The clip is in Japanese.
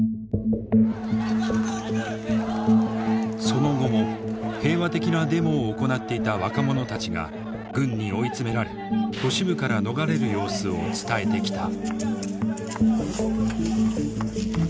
その後も平和的なデモを行っていた若者たちが軍に追い詰められ都市部から逃れる様子を伝えてきた。